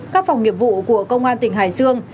các phòng nghiệp vụ của công an tỉnh hải dương